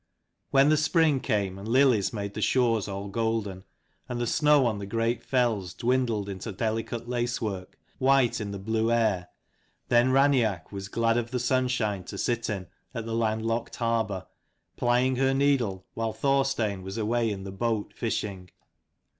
When the spring came, and lilies made the shores all golden, and the snow on the great fells dwindled into delicate lacework, white in the blue air, then Raineach was glad of the sunshine to sit in, at the land locked harbour, plying her needle, while Thorstein was away in the boat fishing.